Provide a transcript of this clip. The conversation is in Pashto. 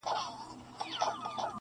ما دي مخي ته کتلای-